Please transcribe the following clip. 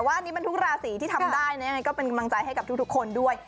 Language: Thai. ว่าอันนี้มันทุกราศีที่ทำได้นะยังไงก็เป็นกำลังใจให้กับทุกคนด้วย